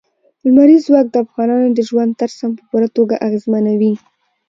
لمریز ځواک د افغانانو د ژوند طرز هم په پوره توګه اغېزمنوي.